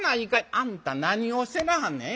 あんた何をしてなはんねん？